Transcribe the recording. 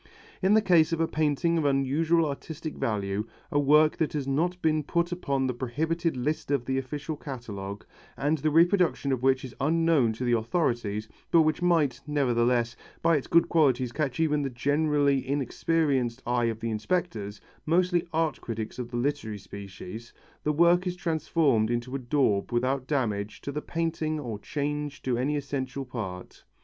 In the case of a painting of unusual artistic value, a work that has not been put upon the prohibited list of the official catalogue, and the reproduction of which is unknown to the authorities, but which might, nevertheless, by its good qualities catch even the generally inexperienced eye of the inspectors mostly art critics of the literary species the work is transformed into a daub without damage to the painting or change to any essential part.